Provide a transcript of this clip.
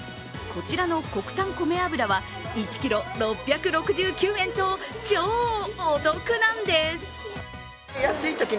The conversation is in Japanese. こちらの国産こめ油は１ｋｇ６６９円と超お得なんです。